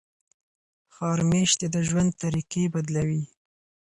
ښار میشتي د ژوند طریقې بدلوي.